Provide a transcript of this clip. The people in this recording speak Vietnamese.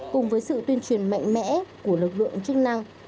cùng với sự tuyên truyền mạnh mẽ của lực lượng chức năng